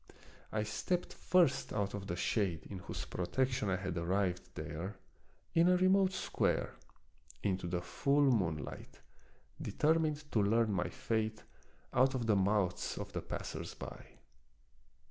I stepped first out of the shade in whose protection I had arrived there, in a remote square, into the full moonlight, deter mined to learn my fate out of the mouths of the passers by.